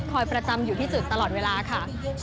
ประจำอยู่ที่จุดตลอดเวลาค่ะ